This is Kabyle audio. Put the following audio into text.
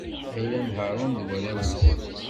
D ayla n Haṛun d warraw-is.